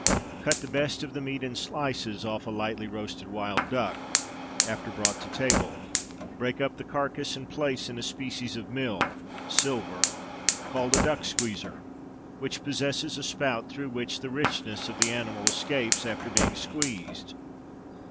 Cut the best of the meat in slices, off a lightly roasted wild duck, after brought to table; break up the carcase and place in a species of mill (silver) called a "duck squeezer," which possesses a spout through which the richness of the animal escapes, after being squeezed.